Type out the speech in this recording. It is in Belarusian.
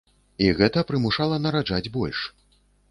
І гэта прымушала нараджаць больш.